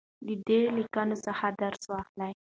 د ده له لیکنو څخه درس واخلو.